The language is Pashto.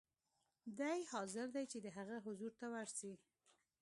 دی حاضر دی چې د هغه حضور ته ورسي.